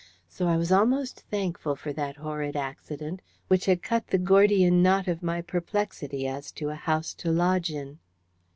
So I was almost thankful for that horrid accident, which had cut the Gordian knot of my perplexity as to a house to lodge in.